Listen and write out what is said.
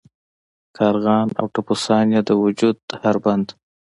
کارغان او ټپوسان یې د وجود هر بند.